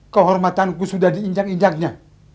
kehormatanku sudah diinjak injaknya